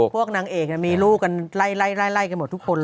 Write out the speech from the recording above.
นางเอกมีลูกกันไล่กันหมดทุกคนเลย